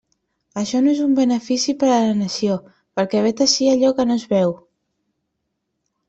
Això no és un benefici per a la nació, perquè vet ací allò que no es veu.